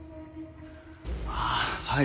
ああはい。